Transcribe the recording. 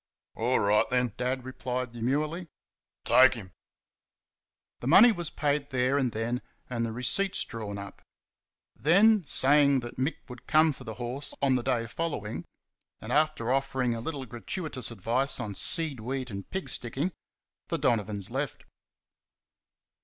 "All right, then," Dad replied, demurely, "take him!" The money was paid there and then and receipts drawn up. Then, saying that Mick would come for the horse on the day following, and after offering a little gratuitous advice on seed wheat and pig sticking, the Donovans left.